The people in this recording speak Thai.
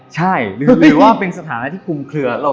ใช่หรือว่าเป็นสถานะที่คุมเคลือ